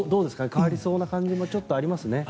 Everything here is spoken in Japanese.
変わりそうな感じもちょっとありますね。